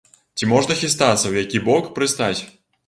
Ці можна хістацца, у які бок прыстаць?